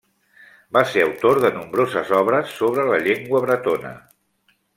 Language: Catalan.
Va ser autor de nombroses obres sobre la llengua bretona.